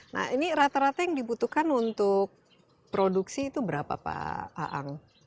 nah ini rata rata yang dibutuhkan untuk produksi itu berapa pak aang